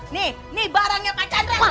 nih nih barangnya pak jandra bu